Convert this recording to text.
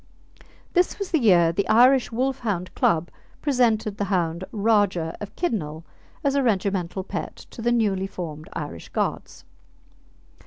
This was the year the Irish Wolfhound Club presented the hound Rajah of Kidnal as a regimental pet to the newly formed Irish Guards.